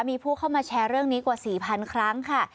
มีผู้เข้ามาแชร์เรื่องนี้กว่า๔๐๐๐ครั้งค่ะ